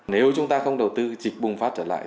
nếu chúng ta không đầu tư dịch bùng phát trở lại